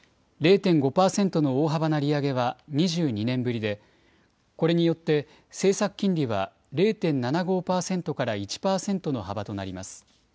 ０．５％の大幅な利上げは２２年ぶりで、これによって政策金利は０．７５％から１％の幅となります。